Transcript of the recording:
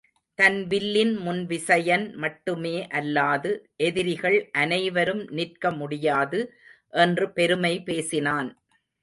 தன் வில்லின் முன் விசயன் மட்டுமே அல்லாது எதிரிகள் அனைவரும் நிற்க முடியாது என்று பெருமை பேசினான்.